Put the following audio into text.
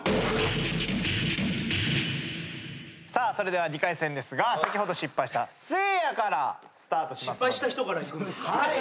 それでは２回戦ですが先ほど失敗したせいやからスタートしますので。